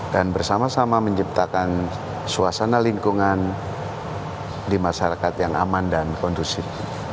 dan bersama sama menciptakan suasana lingkungan di masyarakat yang aman dan kondusif